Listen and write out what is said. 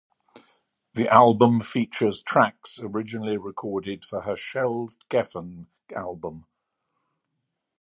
The album features tracks originally recorded for her shelved Geffen album.